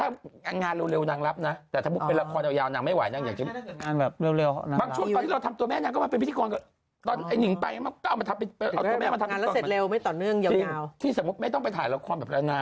เมียหลวงเป็นคนรู้ชมที่มันรับนะ